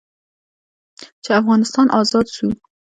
چې افغانستان ازاد سو.